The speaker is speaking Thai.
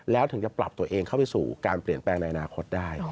แล้วถึงจะปรับตัวเองเข้าไปสู่การเปลี่ยนแปลงในอนาคตได้